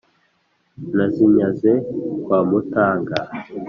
nazinyaze kwa mutaga,